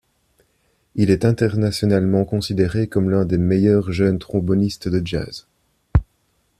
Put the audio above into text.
Il est internationalement considéré comme l'un des meilleurs jeunes trombonistes de jazz.